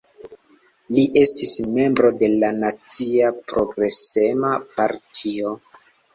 Li estis membro de la Nacia Progresema Partio.